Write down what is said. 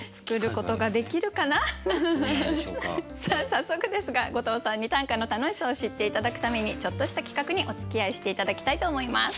早速ですが後藤さんに短歌の楽しさを知って頂くためにちょっとした企画におつきあいして頂きたいと思います。